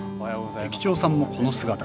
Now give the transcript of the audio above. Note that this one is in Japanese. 駅長さんもこの姿！